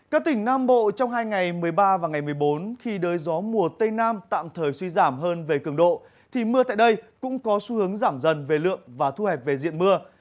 các tỉnh nam bộ trong hai ngày một mươi ba và ngày một mươi bốn khi đới gió mùa tây nam tạm thời suy giảm hơn về cường độ thì mưa tại đây cũng có xu hướng giảm dần về lượng và thu hẹp về diện mưa